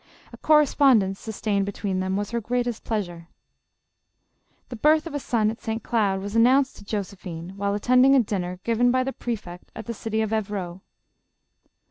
A correspondence, sustained between them, was her greatest pleasure. The birth of a son at St. Cloud, was announced to Josephine, while attending a dinner given by the pre fect at the city of Evreaux.